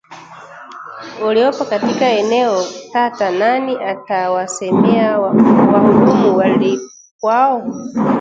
uliopo katika eneo tata Nani atawasemea wahudumu walipwao